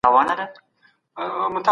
انلاين کورسونه د زده کړې دوام ساتي.